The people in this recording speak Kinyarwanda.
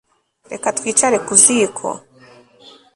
Reka twicare ku ziko